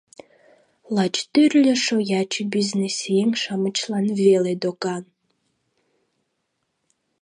Лач тӱрлӧ шояче бизнесъеҥ-шамычлан веле докан.